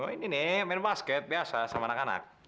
ini nih main basket biasa sama anak anak